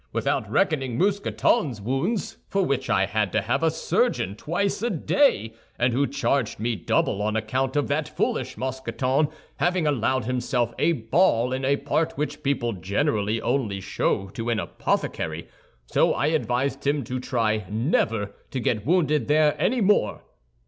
—without reckoning Mousqueton's wound, for which I had to have the surgeon twice a day, and who charged me double on account of that foolish Mousqueton having allowed himself a ball in a part which people generally only show to an apothecary; so I advised him to try never to get wounded there any more."